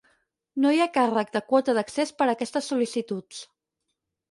No hi ha càrrec de quota d'accés per a aquestes sol·licituds.